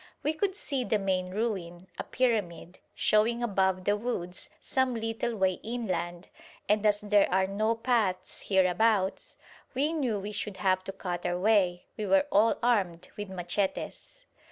We could see the main ruin, a pyramid, showing above the woods some little way inland, and as there are no paths hereabouts, and we knew we should have to cut our way, we were all armed with machetes.